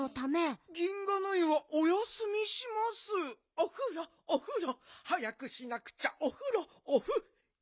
「おふろおふろ早くしなくちゃ」「おふろ」ギャハ！